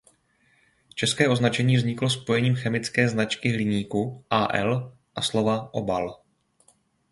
České označení vzniklo spojením chemické značky hliníku „Al“ a slova „obal“.